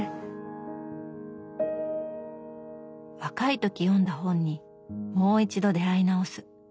若い時読んだ本にもう一度出会い直す。